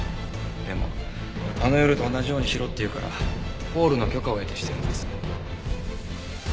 でもあの夜と同じようにしろって言うからホールの許可を得てしてるんです。